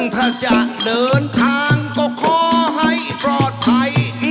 ถ้าจะเดินทางก็ขอให้ปลอดภัย